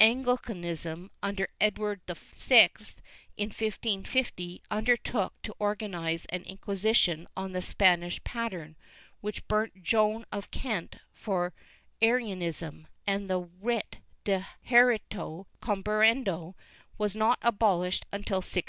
Anglicanism, under Edward VI, in 1550 undertook to organize an Inquisition on the Spanish pattern, wdiich burnt Joan of Kent for Arianism, and the writ De Jucretico comhurendo was not abolished until 1G76.